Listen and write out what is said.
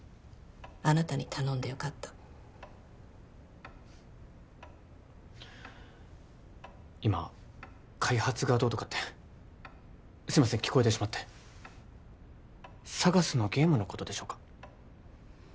あなたに頼んでよかった今開発がどうとかってすいません聞こえてしまってＳＡＧＡＳのゲームのことでしょうか？